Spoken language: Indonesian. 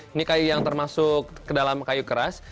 ini kayu yang termasuk ke dalam kayu keras